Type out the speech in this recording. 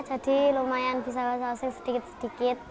jadi lumayan bisa bahasa useng sedikit sedikit